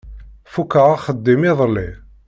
Fukkeɣ axeddim iḍelli.